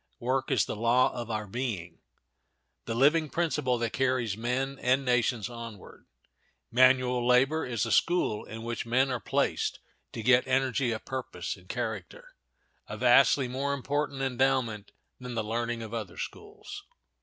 Work is the law of our being, the living principle that carries men and nations onward. Manual labor is a school in which men are placed to get energy of purpose and character—a vastly more important endowment than the learning of other schools.